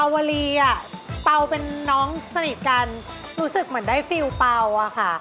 รู้สึกเหมือนได้รู้รู้ความรู้อ่ะค่ะ